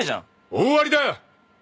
大ありだ。